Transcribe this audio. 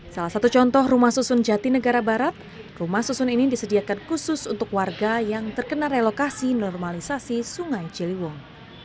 salah satu contoh rumah susun jati negara barat rumah susun ini disediakan khusus untuk warga yang terkena relokasi normalisasi sungai ciliwung